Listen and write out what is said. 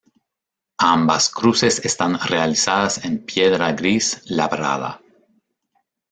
Ambas cruces están realizadas en piedra gris labrada.